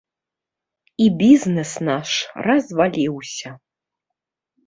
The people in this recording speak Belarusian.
І бізнэс наш разваліўся.